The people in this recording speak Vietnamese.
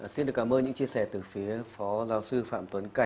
xin được cảm ơn những chia sẻ từ phía phó giáo sư phạm tuấn cảnh